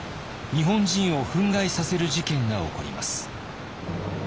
日本人を憤慨させる事件が起こります。